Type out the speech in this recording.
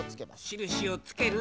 しるしをつけると。